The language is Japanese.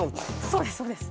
そうですそうです。